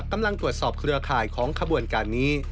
กำลังตรวจสอบเครือข่ายของขบวนการนี้